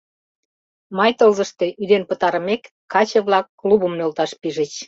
Май тылзыште, ӱден пытарымек, каче-влак клубым нӧлташ пижыч.